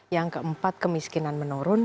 yang keempat kemiskinan menurun